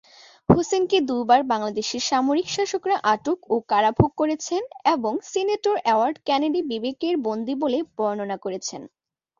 হোসেনকে দু'বার বাংলাদেশের সামরিক শাসকরা আটক ও কারাভোগ করেছেন এবং সিনেটর এডওয়ার্ড কেনেডি 'বিবেকের বন্দী' বলে বর্ণনা করেছেন।